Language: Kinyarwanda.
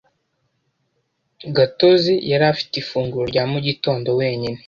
Gatozi yari afite ifunguro rya mu gitondo wenyine.